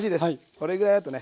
これぐらいだとね。